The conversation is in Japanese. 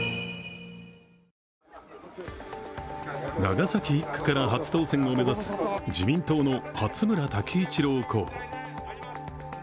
長崎１区から初当選を目指す自民党の初村滝一郎候補。